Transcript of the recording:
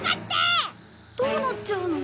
どうなっちゃうの？